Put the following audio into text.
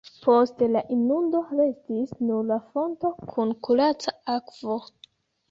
Post la inundo restis nur la fonto kun kuraca akvo.